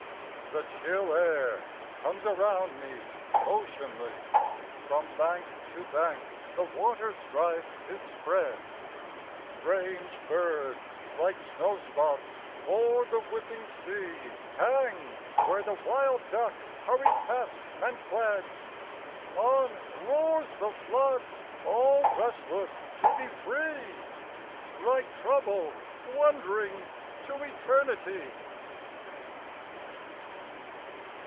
The chill air comes around me oceanly, From bank to bank the waterstrife is spread; Strange birds like snowspots oer the whizzing sea Hang where the wild duck hurried past and fled. On roars the flood, all restless to be free, Like Trouble wandering to Eternity.